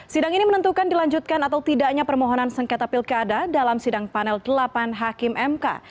sidang ini menentukan dilanjutkan atau tidaknya permohonan sengketa pilkada dalam sidang panel delapan hakim mk